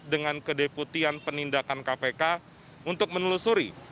dengan kedeputian penindakan kpk untuk menelusuri